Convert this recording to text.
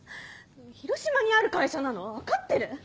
広島にある会社なの分かってる？